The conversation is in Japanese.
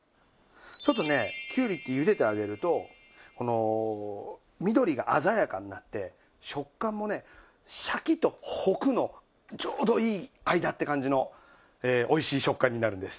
ちょっとねきゅうりってゆでてあげるとこの緑が鮮やかになって食感もねシャキとホクのちょうどいい間って感じのおいしい食感になるんです。